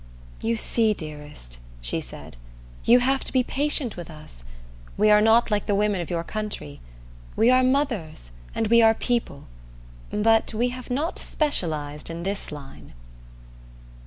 "You see, dearest," she said, "you have to be patient with us. We are not like the women of your country. We are Mothers, and we are People, but we have not specialized in this line."